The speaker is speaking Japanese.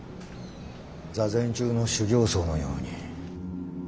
座禅中の修行僧のように。